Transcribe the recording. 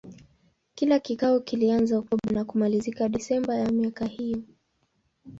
Kila kikao kilianza Oktoba na kumalizika Desemba ya miaka hiyo.